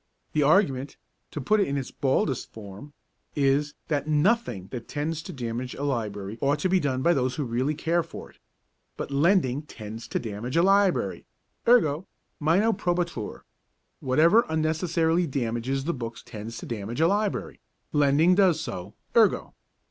The argument to put it in its baldest form is, that Nothing that tends to damage a library ought to be done by those who really care for it; but lending tends to damage a library, ergo. Minor probatur: Whatever unnecessarily damages the books tends to damage a library; lending does so, ergo.